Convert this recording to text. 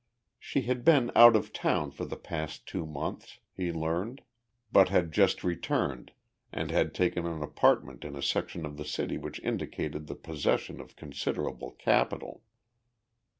She had been out of town for the past two months, he learned, but had just returned and had taken an apartment in a section of the city which indicated the possession of considerable capital.